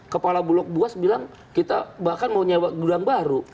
kepala bulog buas bilang kita bahkan mau nyewa gudang baru